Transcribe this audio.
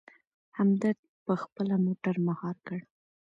همدرد په خپله موټر مهار کړ.